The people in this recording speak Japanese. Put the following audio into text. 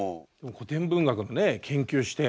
古典文学のね研究して。